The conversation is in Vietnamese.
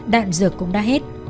đạn dược cũng đã hết